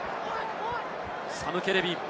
サム・ケレビ。